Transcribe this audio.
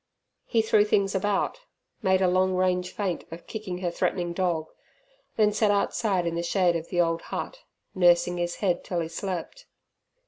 He threw things about, made a long range feint of kicking her threatening dog, then sat outside in the shade of the old hut, nursing his head till he slept.